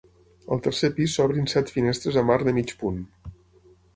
Al tercer pis s'obren set finestres amb arc de mig punt.